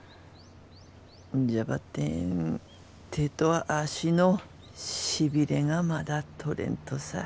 じゃばってん手と足のしびれがまだ取れんとさ。